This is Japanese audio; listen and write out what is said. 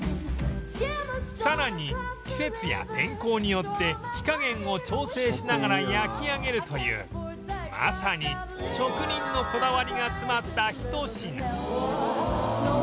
さらに季節や天候によって火加減を調整しながら焼き上げるというまさに作り方の過程とか。